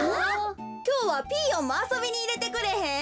きょうはピーヨンもあそびにいれてくれへん？